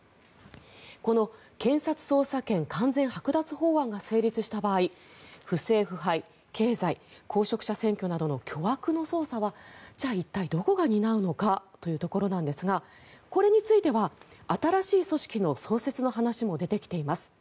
この検察捜査権完全はく奪法案が成立した場合不正腐敗、経済公職者選挙などの巨悪の捜査は一体どこが担うのかというところなんですがこれについては新しい組織の創設の話も出てきています。